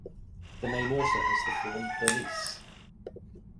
The name also has the form Bernice.